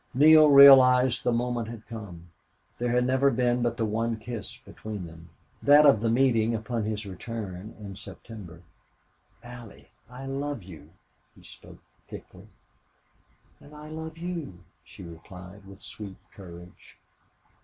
Neale realized the moment had come. There had never been but the one kiss between them that of the meeting upon his return in September. "Allie, I love you!" He spoke thickly. "And I love you," she replied, with sweet courage.